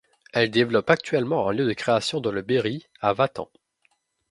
Elle développe actuellement un lieu de création dans le Berry, à Vatan.